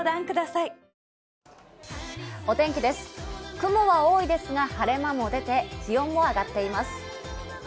雲が多いですが、晴れ間も出て気温が上がっています。